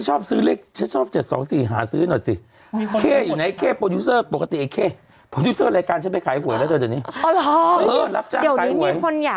หายวักไปเลยกลับต่าเลยค่ะ